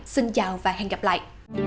xin chào và hẹn gặp lại